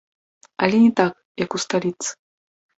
Але не так, як у сталіцы.